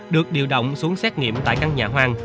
được điều động xuống xét nghiệm tại căn nhà hoang